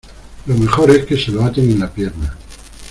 lo mejor es que se lo aten en la pierna.